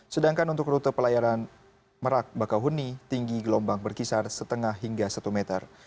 sedangkan untuk rute pelayaran merak bakauheni tinggi gelombang berkisar setengah hingga satu meter